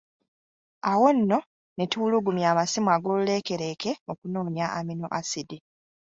Awo nno ne tuwulugumya amasimu ag’oluleekereeke okunoonya amino asidi.